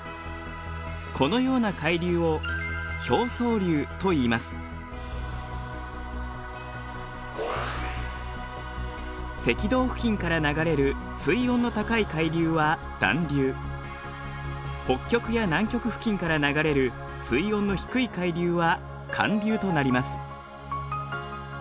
このような海流を赤道付近から流れる水温の高い海流は暖流北極や南極付近から流れる水温の低い海流は寒流となります。